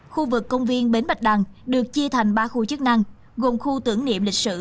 khu vực công viên bến bạch đằng được chia thành ba khu chức năng gồm khu tưởng niệm lịch sử